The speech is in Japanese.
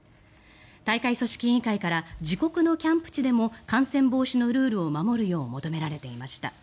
大会組織委員会から自国のキャンプ地でも感染防止のルールを守るよう求められていました。